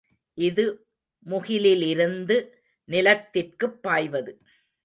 இது முகிலிலிருந்து நிலத்திற்குப் பாய்வது.